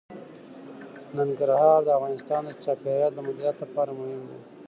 ننګرهار د افغانستان د چاپیریال د مدیریت لپاره مهم دي.